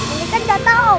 ini kan jatah om